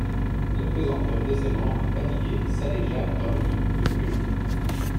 La pesanteur de ses membres fatigués s'allégea dans le lit de plumes.